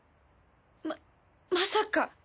ままさか。